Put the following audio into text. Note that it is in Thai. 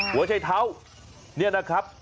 หัวใจเท้านี่นะครับ